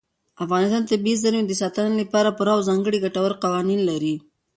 افغانستان د طبیعي زیرمې د ساتنې لپاره پوره او ځانګړي ګټور قوانین لري.